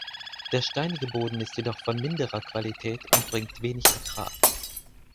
Der steinige Boden ist jedoch von minderer Qualität und bringt wenig Ertrag.